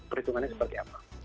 perhitungannya seperti apa